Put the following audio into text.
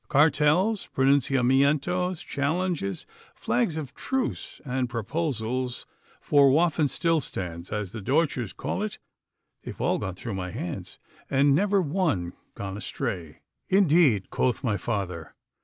Cartels, pronunciamientos, challenges, flags of truce, and proposals for waffenstillstands, as the Deutschers call it they've all gone through my hands, and never one, gone awry.' 'Indeed!' quoth my father.